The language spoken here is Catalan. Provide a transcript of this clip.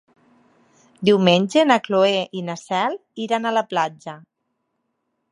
Diumenge na Cloè i na Cel iran a la platja.